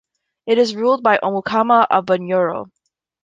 It is ruled by the Omukama of Bunyoro.